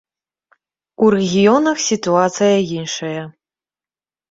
У рэгіёнах сітуацыя іншая.